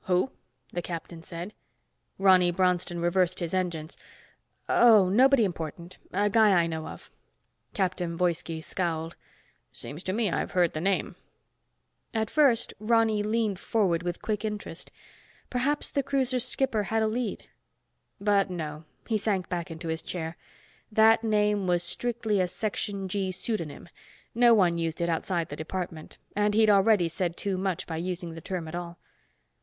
"Who?" the captain said. Ronny Bronston reversed his engines. "Oh, nobody important. A guy I know of." Captain Woiski scowled. "Seems to me I've heard the name." At first Ronny leaned forward with quick interest. Perhaps the cruiser's skipper had a lead. But, no, he sank back into his chair. That name was strictly a Section G pseudonym. No one used it outside the department, and he'd already said too much by using the term at all.